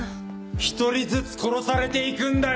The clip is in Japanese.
１人ずつ殺されていくんだよ！